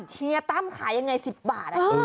เชียร์ตั้มขายยังไง๑๐บาท